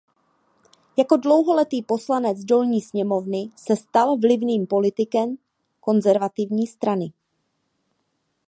Jako dlouholetý poslanec Dolní sněmovny se stal vlivným politikem Konzervativní strany.